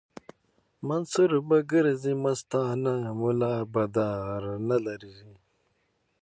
منصور به ګرځي مستانه ملا به دار نه لري